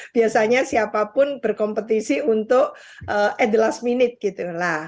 biasanya siapapun berkompetisi untuk at the last minute gitu lah